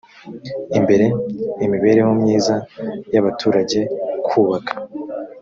imbere imibereho myiza y abaturage kubaka